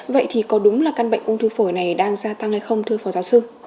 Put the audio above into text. vậy thì có đúng là căn bệnh ung thư phổi này đang gia tăng hay không thưa phó giáo sư